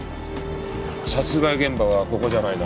殺害現場はここじゃないな。